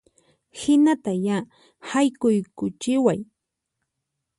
Hinata ya, haykuykuchiway